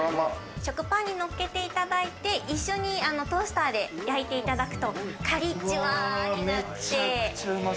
食パンにのっけていただいて、一緒にトースターで焼いていただくと、カリッ、ジュワになって。